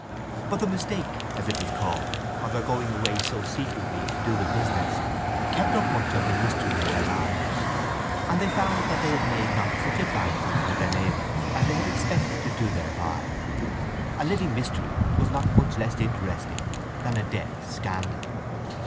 But the mistake (as it was called) of their going away so secretly to do the business, kept up much of the mystery of their lives; and they found that they made not such advances with their neighbours as they had expected to do thereby. A living mystery was not much less interesting than a dead scandal.